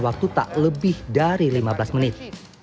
waktu tak lebih dari lima belas menit